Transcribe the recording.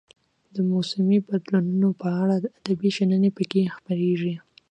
د موسمي بدلونونو په اړه ادبي شننې پکې خپریږي.